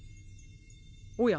おや？